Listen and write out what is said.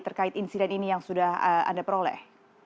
terkait insiden ini yang sudah anda peroleh